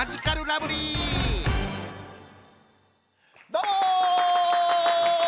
どうも！